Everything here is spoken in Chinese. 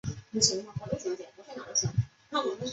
济宁路浸信会教堂旧址现为凯越国际青年旅馆。